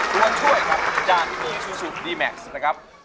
กลัวช่วยครับจากพิมีซู่ซุดีแม็กซ์นะครับ